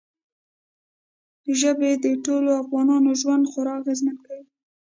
ژبې د ټولو افغانانو ژوند خورا اغېزمن کوي.